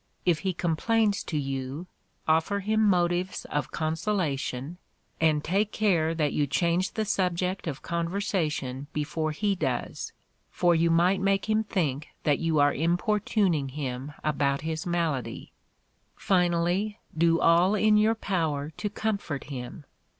If he complains to you, offer him motives of consolation, and take care that you change the subject of conversation before he does, for you might make him think that you are importuning him about his malady. Finally, do all in your power to comfort him.